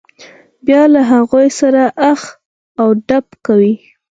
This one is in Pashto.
بیا له هغوی سره اخ و ډب کوي.